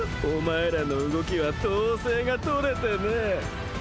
お前らの動きは統制がとれてねえ。